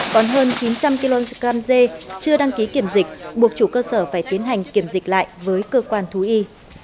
còn hơn chín trăm linh kg dê chưa đăng ký kiểm dịch buộc chủ cơ sở phải tiến hành kiểm dịch lại với cơ quan thú y